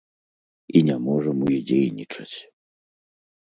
І не можам уздзейнічаць.